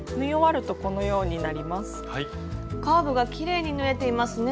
カーブがきれいに縫えていますね。